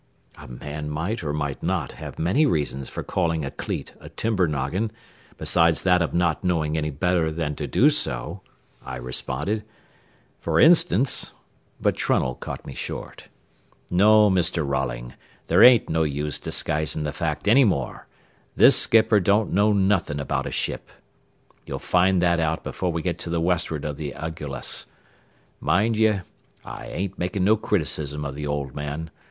"A man might or might not have many reasons for calling a cleat a timber noggin besides that of not knowing any better than to do so," I responded. "For instance " But Trunnell cut me short. "No, Mr. Rolling, there ain't no use disguising the fact any more, this skipper don't know nothin' about a ship. You'll find that out before we get to the west'ard o' the Agullas. Mind ye, I ain't making no criticism o' the old man.